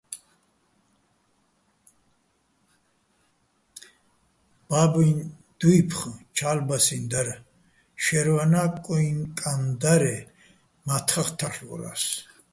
ბაბუიჼ დუფხო̆ ჩა́ლბასიჼ დარ, შერვანა́ კუიჼ კან დარე́ მა́თხახ თარლ'ვორა́ს.